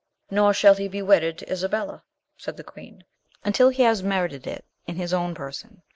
"Nor shall he be wedded to Isabella," said the queen, "until he has merited it in his own person.